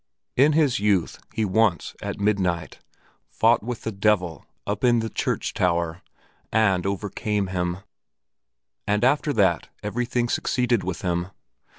In his youth he once, at midnight, fought with the devil up in the church tower, and overcame him; and after that everything succeeded with him.